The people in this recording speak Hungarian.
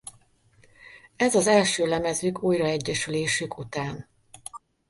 Ez az első lemezük újraegyesülésük után.